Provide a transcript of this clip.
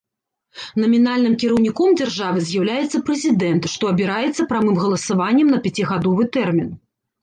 Намінальным кіраўніком дзяржавы з'яўляецца прэзідэнт, што абіраецца прамым галасаваннем на пяцігадовы тэрмін.